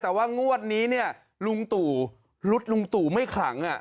แต่ว่างวดนี้เนี่ยลุงตู่รุดลุงตู่ไม่ขลัง